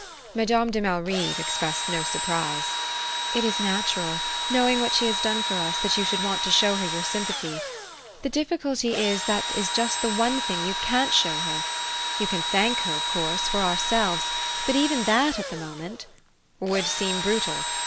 Madame de Malrive evinced no surprise. "It is natural, knowing what she has done for us, that you should want to show her your sympathy. The difficulty is that it is just the one thing you can't show her. You can thank her, of course, for ourselves, but even that at the moment " "Would seem brutal?